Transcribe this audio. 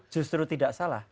justru tidak salah